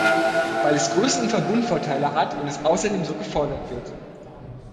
Weil es Größen- und Verbundvorteile hat und es außerdem so gefordert wird.